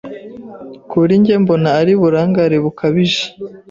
Kuri njye mbona ari uburangare bukabije.